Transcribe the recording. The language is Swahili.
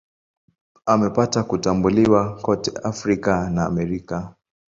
Amepata kutambuliwa kote Afrika na Amerika.